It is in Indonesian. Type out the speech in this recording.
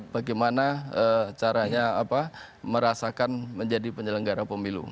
bagaimana caranya merasakan menjadi penyelenggara pemilu